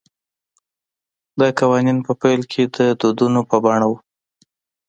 دا قوانین په پیل کې د دودونو په بڼه وو